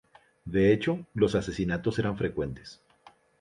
De hecho, los asesinatos eran frecuentes.